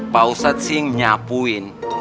pak ustaz sih nyapuin